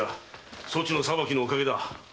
そちの裁きのおかげだ。